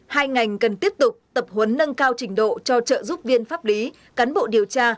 hai ngành cần tiếp tục tập huấn nâng cao trình độ cho trợ giúp viên pháp lý cán bộ điều tra